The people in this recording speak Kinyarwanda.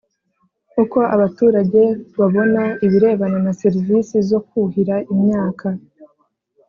Uko abaturage babona ibirebana na serivisi zo kuhira imyaka